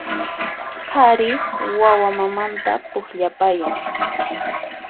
Qhari wawa mamanta pukllapayan